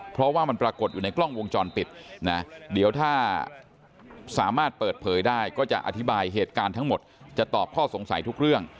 เพราะว่ามันปรากฏอยู่ในกล้องวงจรปิดนะเดี๋ยวถ้าสามารถเปิดเผยได้ก็จะอธิบายเหตุการณ์ทั้งหมดจะตอบข้อสงสัยทุกเรื่อง